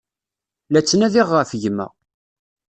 La ttnadiɣ ɣef gma.